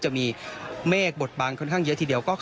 จะมีเมฆบทบางค่อนข้างเยอะทีเดียว